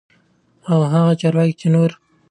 او هغه چارواکي چې نور